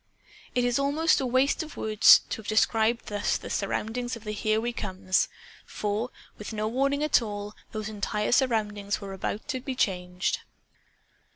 It is almost a waste of words to have described thus the surroundings of the Here We Comes. For, with no warning at all, those entire surroundings were about to be changed.